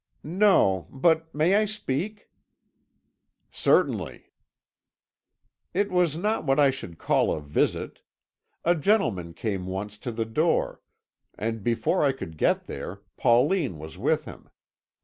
"No but may I speak?" "Certainly." "It was not what I should call a visit. A gentleman came once to the door, and before I could get there, Pauline was with him.